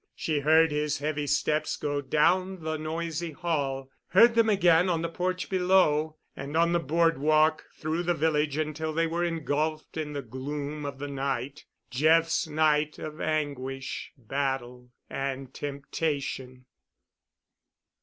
She heard his heavy steps go down the noisy hall, heard them again on the porch below and on the boardwalk through the village until they were engulfed in the gloom of the night—Jeff's night of anguish, battle, and temptation.